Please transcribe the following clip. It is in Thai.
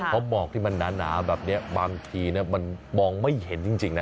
เพราะหมอกที่มันหนาแบบนี้บางทีมันมองไม่เห็นจริงนะ